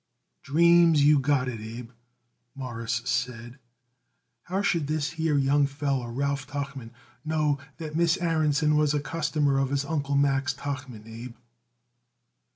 "Dreams you got it, Abe," Morris said. "How should this here young feller, Ralph Tuchman, know that Miss Aaronson was a customer of his Uncle Max Tuchman, Abe?"